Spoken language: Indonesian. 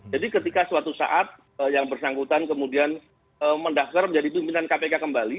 jadi ketika suatu saat yang bersangkutan kemudian mendahkar menjadi pimpinan kpk kembali